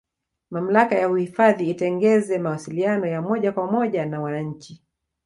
mamlaka ya uhifadhi itengeze mawasiliano ya moja kwa moja na wananchi